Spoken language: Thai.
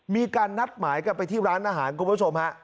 มีการนัดหมายกันไปที่ร้านอาหารคุณผู้ชมฮะ